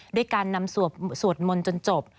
ด้วยการนำสวดมนต์จนจบ